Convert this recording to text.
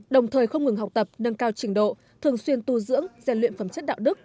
đồng thời không ngừng học tập nâng cao trình độ thường xuyên tu dưỡng gian luyện phẩm chất đạo đức